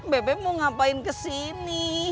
bebek mau ngapain kesini